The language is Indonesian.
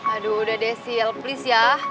aduh udah deh sil please ya